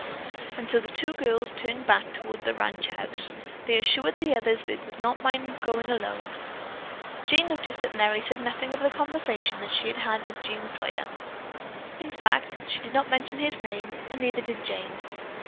And so the two girls turned back toward the ranch house. They assured the others that they did not mind going alone. Jane noticed that Merry said nothing of the conversation that she had had with Jean Sawyer; in fact, she did not mention his name and neither did Jane.